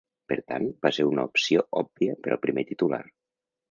Per tant, va ser una opció òbvia per al primer titular.